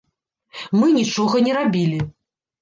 Мы нічога не рабілі.